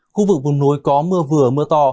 khu vực vùng núi có mưa vừa mưa to